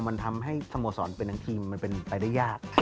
มันทำให้สโมสรเป็นทั้งทีมมันเป็นไปได้ยาก